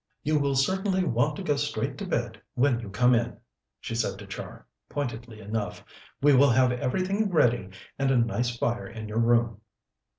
"You will certainly want to go straight to bed when you come in," she said to Char, pointedly enough. "We will have everything ready and a nice fire in your room."